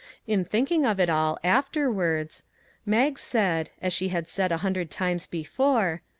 In thinking of it all, afterwards, Mag said, as she had said a hundred times before.